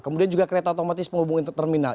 kemudian juga kereta otomatis menghubungi terminal